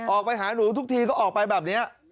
ออกไปหาหนูทุกทีก็ออกไปแบบนี้